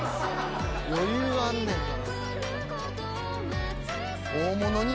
余裕があんねんな。